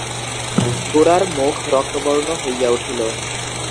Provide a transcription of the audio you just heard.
গোরার মুখ রক্তবর্ণ হইয়া উঠিল।